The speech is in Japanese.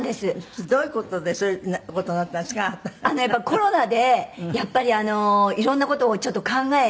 コロナでやっぱりいろんな事をちょっと考えて。